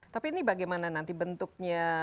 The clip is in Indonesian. tapi ini bagaimana nanti bentuknya